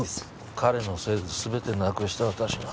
彼のせいですべてなくした私が